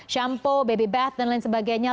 shampoo baby bath dan lain sebagainya